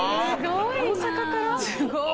すごい。